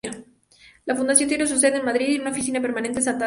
La fundación tiene su sede en Madrid y una oficina permanente en Santander.